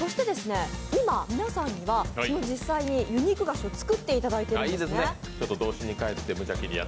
今、皆さんには実際にユニーク菓子を作っていただいているんですね。